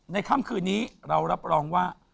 ค่ำคืนนี้เรารับรองว่า